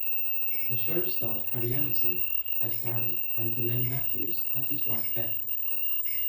The show starred Harry Anderson as Barry and DeLane Matthews as his wife Beth.